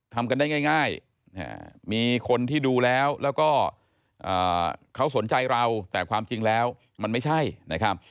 ทำกันได้ง่ายมีคนที่ดูแล้วแล้วก็เขาสนใจเราแต่ความจริงแล้วมันไม่ใช่นะครับ